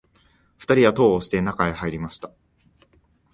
二人は戸を押して、中へ入りました